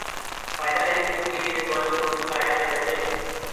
فائدہ نہیں کیونکہ یہ تو معلوم ہوچکا کہ دھرنے